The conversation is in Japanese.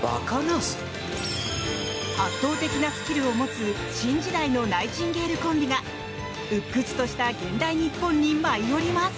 圧倒的なスキルを持つ新時代のナイチンゲールコンビがうっ屈とした現代日本に舞い降ります！